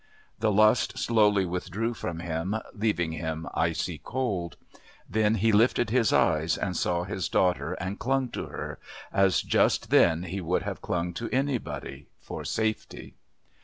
The lust slowly withdrew from him, leaving him icy cold. Then he lifted his eyes and saw his daughter and clung to her as just then he would have clung to anybody for safety.